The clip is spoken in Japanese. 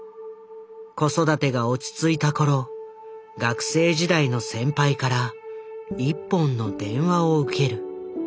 子育てが落ち着いた頃学生時代の先輩から一本の電話を受ける。